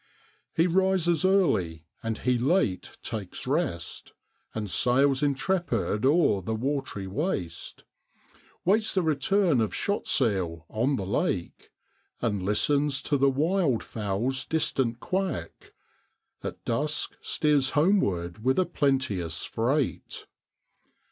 ' He rises early, and he late takes rest, And sails intrepid o'er the wat'ry waste; Waits the return of shot seal (flight time) on the lake, And listens to the wild fowl's distant quack; At dusk steers homeward with a plenteous freight.'